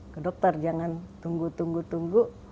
ke dokter jangan tunggu tunggu